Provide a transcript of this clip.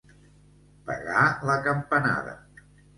Pegar la campanada.